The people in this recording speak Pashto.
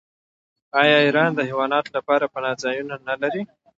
آیا ایران د حیواناتو لپاره پناه ځایونه نلري؟